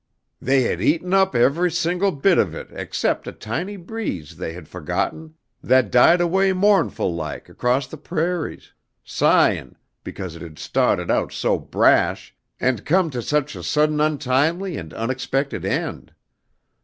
"They had eaten up ever' single bit of it except a tiny breeze they had fohgotten that died away mournful laik across the prairies, sighin' becawse it had stahted out so brash and come to such a sudden untimely and unexpected end.